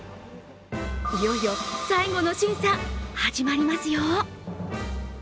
いよいよ、最後の審査、始まりますよ。